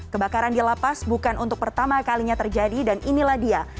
kebakaran di lapas bukan untuk pertama kalinya terjadi dan inilah dia